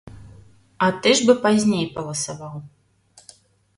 А ты ж бы пазней паласаваў.